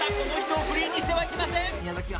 この人をフリーにしてはいけません！